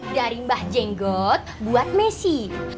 dari mbah jenggot buat messi